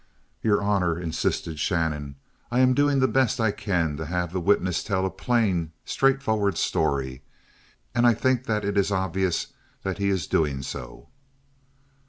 "Your honor," insisted Shannon, "I am doing the best I can to have the witness tell a plain, straightforward story, and I think that it is obvious that he is doing so."